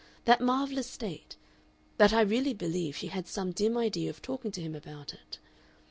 that marvellous state! that I really believe she had some dim idea of talking to him about it.